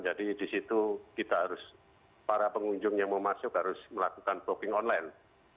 jadi di situ kita harus para pengunjung yang mau masuk harus melakukan booking online